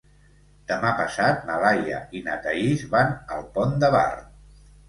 Demà passat na Laia i na Thaís van al Pont de Bar.